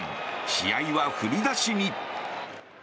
試合は振り出しに。